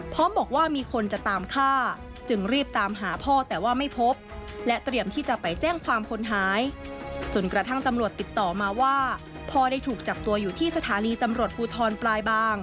พร้อมบอกว่ามีคนจะตามฆ่าจึงรีบตามหาพ่อแต่ว่าไม่พบ